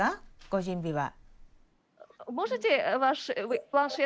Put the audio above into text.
ご準備は。